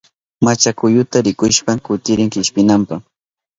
Machakuyata rikushpa kutirin kishpinanpa.